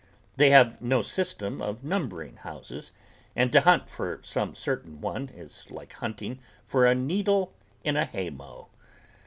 They have no system of numbering houses and to hunt for some certain one is like hunting for a needle in a haymow.